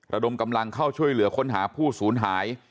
ระดมกำลังเข้าช่วยเหลือค้นหาผู้สูญหาย